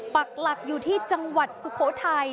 ปักหลักอยู่ที่จังหวัดสุโขทัย